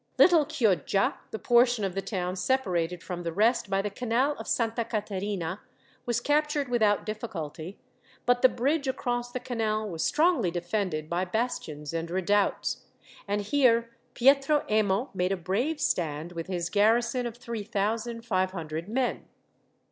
Little Chioggia, the portion of the town separated from the rest by the Canal of Santa Caterina, was captured without difficulty; but the bridge across the canal was strongly defended by bastions and redoubts, and here Pietro Emo made a brave stand, with his garrison of three thousand five hundred men.